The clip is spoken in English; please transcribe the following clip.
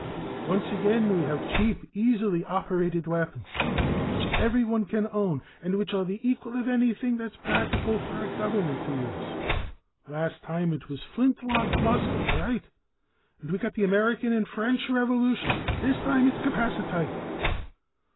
"Once again we have cheap, easily operated weapons which everyone can own and which are the equal of anything it's practical for a government to use. Last time it was the flintlock musket, right? And we got the American and French Revolutions. This time it's capacitite.